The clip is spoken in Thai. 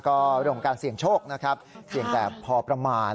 ก็เรื่องของการเสี่ยงโชคนะครับเสี่ยงแต่พอประมาณ